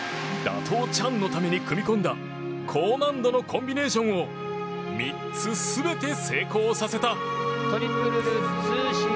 打倒チャンのために組み込んだ高難度のコンビネーションを３つ全て成功させた。